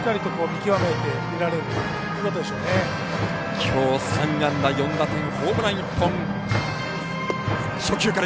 きょう３安打４打点ホームラン１本。